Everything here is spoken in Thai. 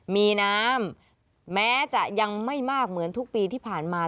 มีน้ำแม้จะยังไม่มากเหมือนทุกปีที่ผ่านมา